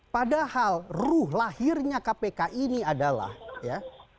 padahal ruh lahirnya kpk ini adalah ya